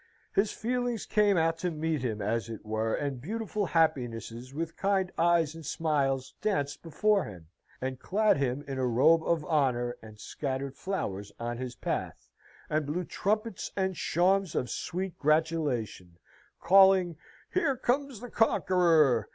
His feelings came out to meet him, as it were, and beautiful happinesses with kind eyes and smiles danced before him, and clad him in a robe of honour, and scattered flowers on his path, and blew trumpets and shawms of sweet gratulation, calling, "Here comes the conqueror!